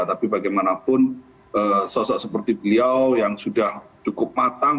tapi bagaimanapun sosok seperti beliau yang sudah cukup matang